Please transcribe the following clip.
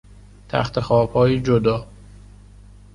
تختخوابهای جدا